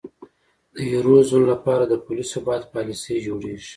د یورو زون لپاره د پولي ثبات پالیسۍ جوړیږي.